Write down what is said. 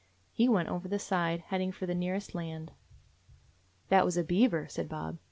— he went over the side, heading for the nearest land. "That was a beaver," said Bob.